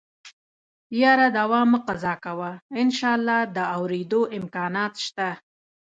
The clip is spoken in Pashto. يره دوا مه قضا کوه انشاالله د اورېدو امکانات شته.